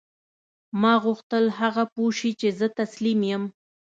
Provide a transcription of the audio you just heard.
ما غوښتل هغه پوه شي چې زه تسلیم یم